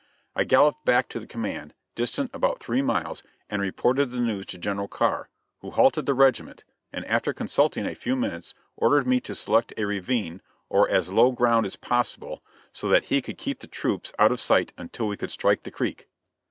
I galloped hack to the command, distant about three miles, and reported the news to General Carr, who halted the regiment, and, after consulting a few minutes, ordered me to select a ravine, or as low ground as possible, so that he could keep the troops out of sight until we could strike the creek.